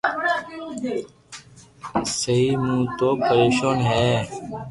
سي مون تو پريسون ھي